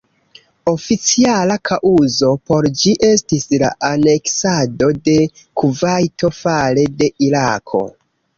Oficiala kaŭzo por ĝi estis la aneksado de Kuvajto fare de Irako.